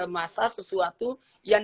masa sesuatu yang